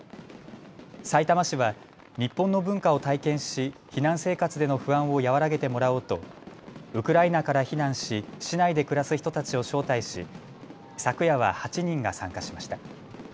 さいたま市は日本の文化を体験し避難生活での不安を和らげてもらおうとウクライナから避難し市内で暮らす人たちを招待し昨夜は８人が参加しました。